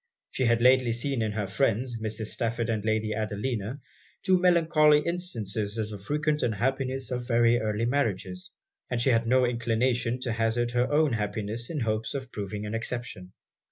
She had lately seen in her friends, Mrs. Stafford and Lady Adelina, two melancholy instances of the frequent unhappiness of very early marriages; and she had no inclination to hazard her own happiness in hopes of proving an exception.